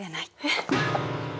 えっ！？